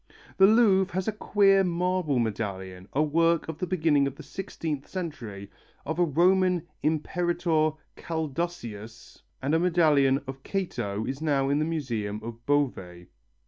The Louvre has a queer marble medallion, a work of the beginning of the sixteenth century, of a Roman Imperator Caldusius, and a medallion of Cato is now in the Museum of Beauvais.